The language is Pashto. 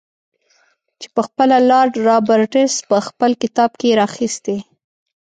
چې پخپله لارډ رابرټس په خپل کتاب کې را اخیستی.